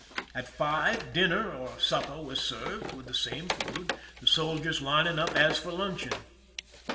At five, dinner or supper was served, with the same food, the soldiers lining up as for luncheon.